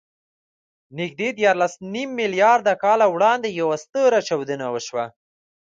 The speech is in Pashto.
نږدې دیارلسنیم میلیارده کاله وړاندې یوه ستره چاودنه وشوه.